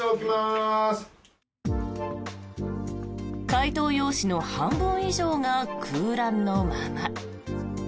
回答用紙の半分以上が空欄のまま。